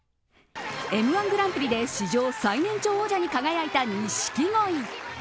М‐１グランプリで史上最年長王者に輝いた錦鯉。